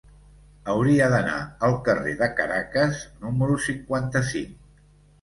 Hauria d'anar al carrer de Caracas número cinquanta-cinc.